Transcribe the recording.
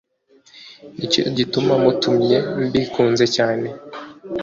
ni cyo gituma mutumye mbikunze cyane